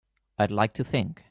I'd like to think.